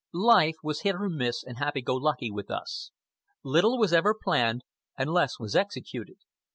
Life was hit or miss and happy go lucky with us. Little was ever planned, and less was executed.